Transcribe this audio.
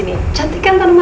bisa bicara dengan ibu rosa